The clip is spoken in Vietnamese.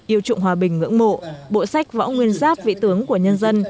yêu trụng hòa bình ngưỡng mộ bộ sách võ nguyên giáp vị tướng của nhân dân